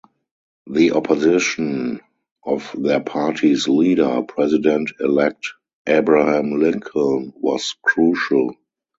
The opposition of their party's leader, President-elect Abraham Lincoln, was crucial.